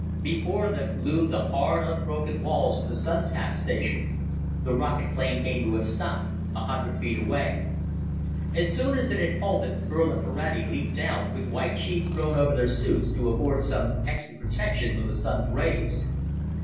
Before them loomed the hard unbroken walls of the Sun tap station. The rocket plane came to a stop a hundred feet away. As soon as it had halted, Burl and Ferrati leaped out, with white sheets thrown over their suits to afford some extra protection from the Sun's rays.